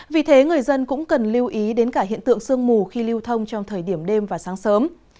vì thế người dân cũng cần lưu ý đến cả hiện tượng sương mù khi lưu thông trong thời điểm đêm và sáng sớm